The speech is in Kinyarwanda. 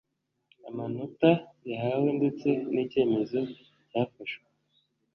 Amanota yahawe ndetse n icyemezo cyafashwe